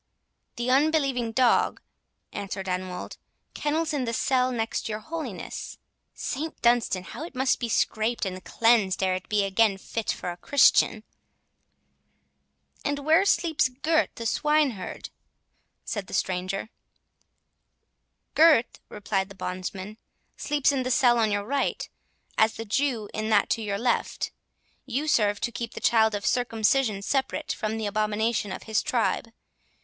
"The unbelieving dog," answered Anwold, "kennels in the cell next your holiness.—St Dunstan, how it must be scraped and cleansed ere it be again fit for a Christian!" "And where sleeps Gurth the swineherd?" said the stranger. "Gurth," replied the bondsman, "sleeps in the cell on your right, as the Jew on that to your left; you serve to keep the child of circumcision separate from the abomination of his tribe.